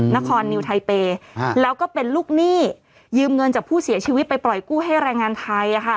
นครนิวไทเปย์แล้วก็เป็นลูกหนี้ยืมเงินจากผู้เสียชีวิตไปปล่อยกู้ให้แรงงานไทย